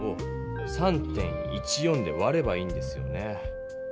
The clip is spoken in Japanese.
１１０を３．１４でわればいいんですよね。